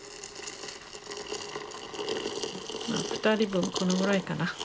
２人分このぐらいかな？